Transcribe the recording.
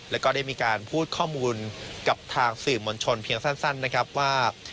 แล้วก็ได้มีการพูดข้อมูลกับทางสื่อมวลชนเพียงสั้นนะครับว่า